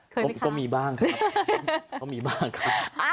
โอ้โหก็มีบ้างค่ะ